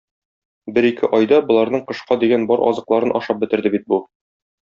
Бер-ике айда боларның кышка дигән бар азыкларын ашап бетерде бит бу.